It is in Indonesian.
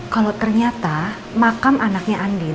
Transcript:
kalau ternyata makam anaknya andir